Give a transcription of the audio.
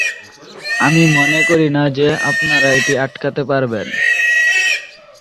আমি মনে করি না যে আপনারা এটি আটকাতে পারবেন।